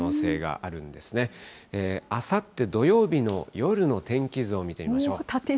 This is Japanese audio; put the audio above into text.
あさって土曜日の夜の天気図を見てみましょう。